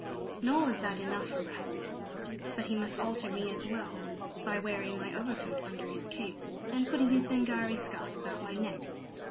Nor was that enough for Raffles, but he must alter me as well, by wearing my overcoat under his cape, and putting his Zingari scarf about my neck.